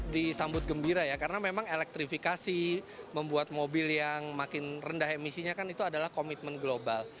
disambut gembira ya karena memang elektrifikasi membuat mobil yang makin rendah emisinya kan itu adalah komitmen global